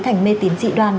thành mê tín dị đoàn